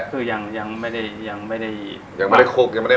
คือยังไม่ได้คุกยังไม่ได้หมัก